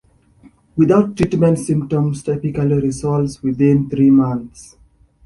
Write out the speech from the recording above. Without treatment symptoms typically resolve within three months.